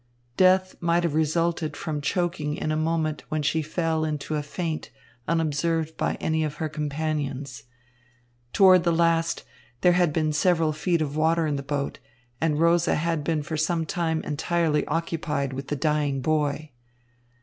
Death might have resulted from choking in a moment when she fell into a faint unobserved by any of her companions. Toward the last, there had been several feet of water in the boat, and Rosa had for some time been entirely occupied with the dying boy.